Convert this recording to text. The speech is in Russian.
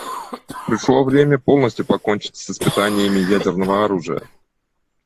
Пришло время полностью покончить с испытаниями ядерного оружия.